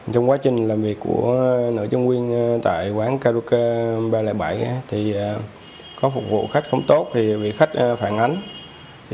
trong quá trình làm việc của nữ chung quyền tại quán karaoke ba trăm linh bảy có phục vụ khách không tốt thì khách phản ánh